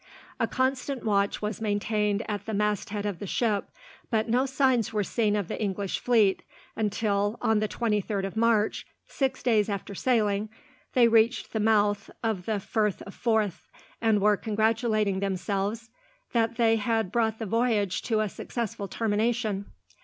A constant watch was maintained at the masthead of the ship, but no signs were seen of the English fleet, until, on the 23rd of March, six days after sailing, they reached the mouth of the Firth of Forth, and were congratulating themselves that they had brought the voyage to a successful termination.